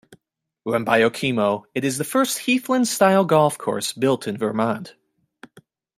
Run by Okemo, it is the first Heathland-style golf course built in Vermont.